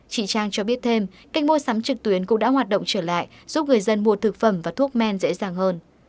chị trang cho biết thêm kênh mua sắm trực tuyến cũng đã hoạt động trở lại giúp người dân mua thực phẩm và thuốc men dễ dàng hơn